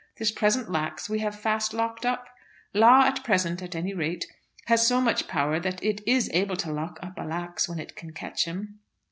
This present Lax we have fast locked up. Law at present, at any rate, has so much of power that it is able to lock up a Lax, when it can catch him.